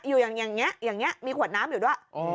อยู่อย่างนี้มีขวดน้ำอยู่ด้วย